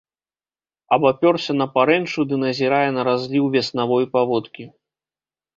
Абапёрся на парэнчу ды назірае на разліў веснавой паводкі.